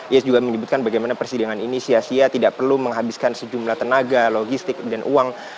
ia juga menyebutkan bagaimana persidangan ini sia sia tidak perlu menghabiskan sejumlah tenaga logistik dan uang